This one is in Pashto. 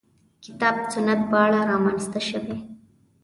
کتاب سنت په اړه رامنځته شوې.